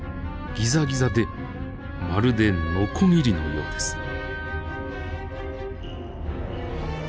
ギザギザでまるでのこぎりのようです。